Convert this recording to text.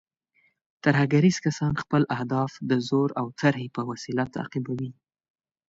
ترهګریز کسان خپل اهداف د زور او ترهې په وسیله تعقیبوي.